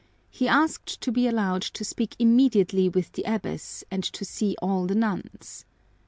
He asked to be allowed to speak immediately with the abbess and to see all the nuns.